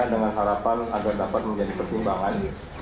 dengan harapan agar dapat menjadi pertimbangan